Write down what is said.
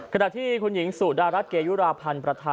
ขณะที่คุณหญิงสุดรัฐเกยุราพันธ์